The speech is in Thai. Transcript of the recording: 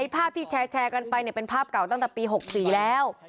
ไอภาพที่แชร์แชร์กันไปเนี่ยเป็นภาพเก่าตั้งแต่ปีหกสี่แล้ว